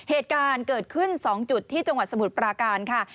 เหตุการณ์เกิดขึ้น๒จุดที่จังหวัดสมุทรปราการค่ะ